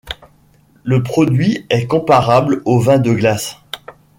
Le produit est comparable au vin de glace.